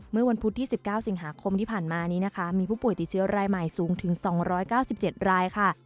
เมื่อวันพุธที่๑๙สิงหาคมที่ผ่านมานี้นะคะมีผู้ป่วยติดเชื้อรายใหม่สูงถึง๒๙๗รายค่ะ